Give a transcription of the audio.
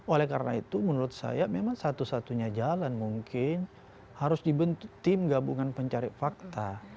oleh karena itu menurut saya memang satu satunya jalan mungkin harus dibentuk tim gabungan pencari fakta